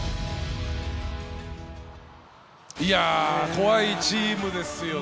怖いチームですよね。